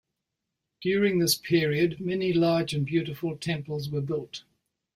During this period, many large and beautiful temples were built.